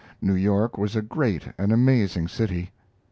New York was a great and amazing city.